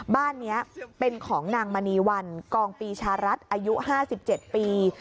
บ้านนี้เป็นของนางมณีวันกองปีชารัฐอายุ๕๗ปี